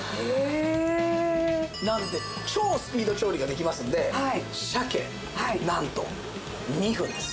えーっ！なので超スピード調理ができますので鮭なんと２分です。